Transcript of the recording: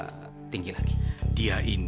buat aku lagi pahami alin